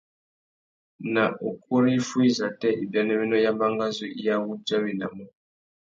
Nà ukú râ iffúh izâtê ibianéwénô ya mangazú i awudjawenamú?